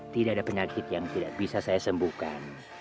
tidak ada penyakit yang tidak bisa saya sembuhkan